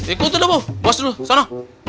ikut dulu bu bos dulu sono